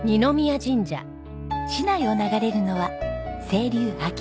市内を流れるのは清流秋川。